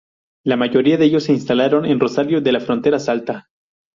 La mayoría de ellos se instalaron en Rosario de la Frontera, Salta.